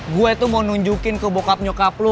gue tuh mau nunjukin ke bokap nyokap lu